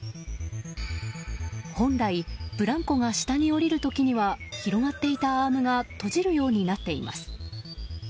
本来、ブランコが下に降りる時には広がっていたアームが閉じるようになっています。